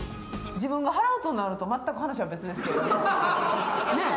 自分が払うとなると全く話は別ですけどね。